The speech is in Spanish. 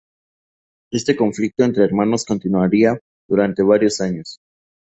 Este conflicto entre los hermanos continuaría durante varios años.